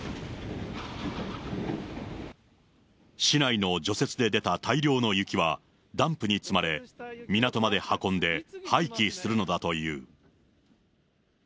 市内の除雪で出た大量の雪は、ダンプに積まれ、港まで運んで、廃棄するのだという。